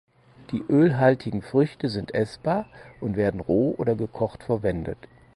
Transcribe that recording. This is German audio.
Die ölhaltigen Früchte sind essbar und werden roh oder gekocht verwendet.